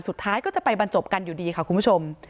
สุดท้ายก็จะไปบรรจบกันอยู่ดีค่ะคุณผู้ชม